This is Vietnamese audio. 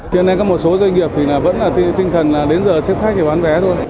khiến nên có một số doanh nghiệp thì vẫn là tinh thần đến giờ xếp khách thì bán vé thôi